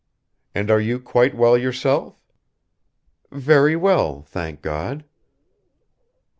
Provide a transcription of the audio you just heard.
And are you quite well yourself?" "Very well, thank God."